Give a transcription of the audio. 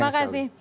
baik terima kasih